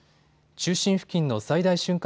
中心付近の最大瞬間